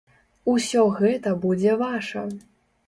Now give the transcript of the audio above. Усё гэта будзе ваша!